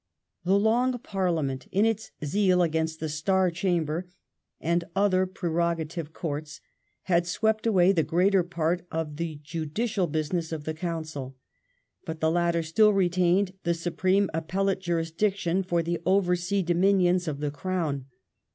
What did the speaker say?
The Long Parliament, in its zeal against the " Star Chamber " and other prerogative courts, had swept away the greater part of the judicial business of the Council. But the latter still retained the supreme appellate jurisdiction for the over sea dominions of the Crown.